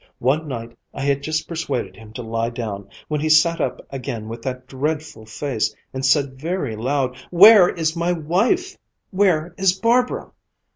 One night I had just persuaded him to lie down, when he sat up again with that dreadful face and said very loud: 'Where is my wife? Where is Barbara?'